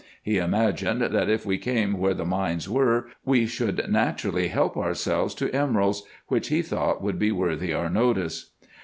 He imagined, that, if we came where the mines were, we should naturally help ourselves to emeralds, which he thought would be worthy our notice.